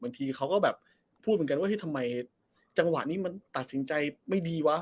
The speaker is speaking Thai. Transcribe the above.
บางทีเขาก็แบบพูดเหมือนกันว่าทำไมจังหวะนี้มันตัดสินใจไม่ดีวะ